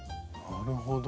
なるほど。